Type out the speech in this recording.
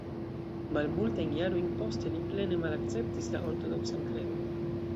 Malmultajn jarojn poste li plene malakceptis la ortodoksan kredon.